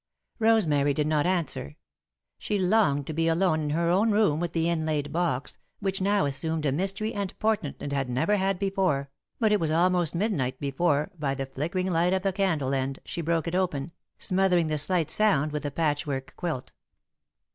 Rosemary did not answer. She longed to be alone in her own room with the inlaid box, which now assumed a mystery and portent it had never had before, but it was almost midnight before, by the flickering light of a candle end, she broke it open, smothering the slight sound with the patchwork quilt.